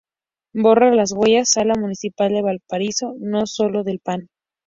Borra las huellas_ Sala Municipal de Valparaiso _no solo de pan.